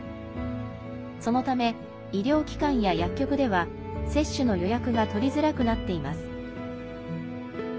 そのため、医療機関や薬局では接種の予約が取りづらくなっています。